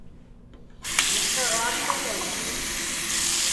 جنسے راڑ ہی نائی ہوئی